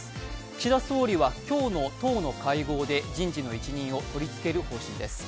岸田総理は今日の党の会合で人事の一任を取り付ける方針です。